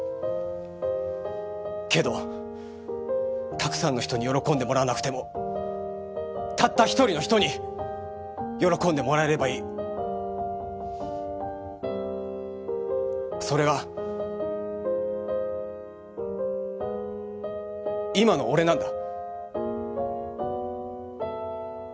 けどたくさんの人に喜んでもらわなくてもたった一人の人に喜んでもらえればいい。それが今の俺なんだ。